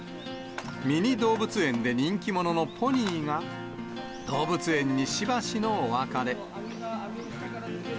ミニ動物園で人気者のポニーが、動物園にしばしのお別れ。